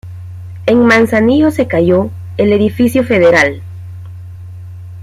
En Manzanillo se cayó el "Edificio Federal".